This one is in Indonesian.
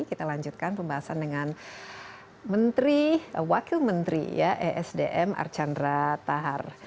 kita lanjutkan pembahasan dengan wakil menteri esdm archandra tahar